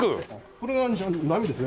これが波ですね。